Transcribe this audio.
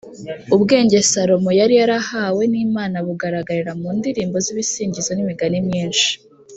ubwenge salomo yari yarahawe n’imana bugaragarira mu ndirimbo z’ibisingizo n’imigani myinshi.